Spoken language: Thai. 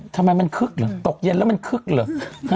ทำไมมันคึกเหรอตกเย็นแล้วมันคึกเหรอ